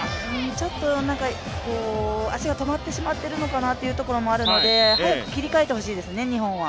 ちょっと足が止まってしまっているのかなというところがあるので早く切り替えてほしいですね、日本は。